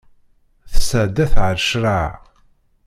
Tesɛedda-t ar ccṛeɛ.